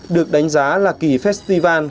được đánh giá là kỳ festival